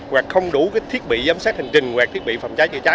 hoặc không đủ thiết bị giám sát hành khách